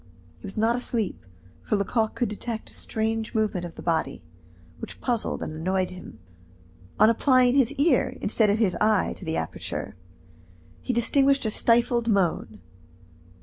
He was not asleep, for Lecoq could detect a strange movement of the body, which puzzled and annoyed him. On applying his ear instead of his eye to the aperture, he distinguished a stifled moan.